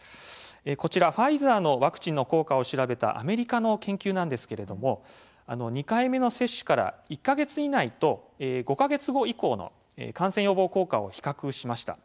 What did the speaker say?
こちら、ファイザーのワクチンの効果を調べたアメリカの研究なんですが２回目の接種から１か月以内と５か月後以降の感染予防効果を比較しました。